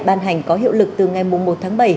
ban hành có hiệu lực từ ngày một tháng bảy